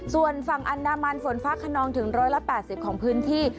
ส่วนฝั่งอันดามันฝนฟ้าขนองถึง๑๘๐ของพื้นที่